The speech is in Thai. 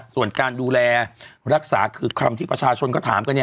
ส่วนการดูแลรักษาคือคำที่ประชาชนก็ถามกันเนี่ย